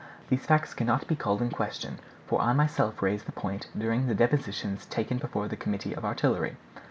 These facts cannot be called in question, for I myself raised the point during the depositions taken before the committee of artillery."